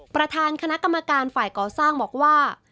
ประธานคณะกรรมการฝ่ายก่อสร้างบอกว่า